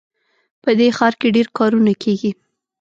په دې ښار کې ډېر کارونه کیږي